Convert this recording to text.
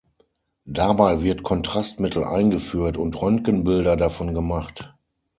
Dabei wird Kontrastmittel eingeführt und Röntgenbilder davon gemacht.